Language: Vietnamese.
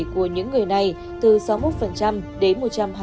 của những người này từ sáu mươi một đến một trăm hai mươi